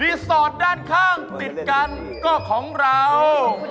สอดด้านข้างติดกันก็ของเรา